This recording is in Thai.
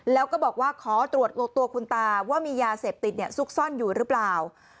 แล้วก็บอกว่าขอตรวจตัวคุณตาว่ามียาเสพติดซุกซ่อนอยู่หรือเปล่า